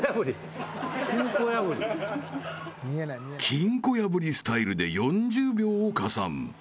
［金庫破りスタイルで４０秒を加算］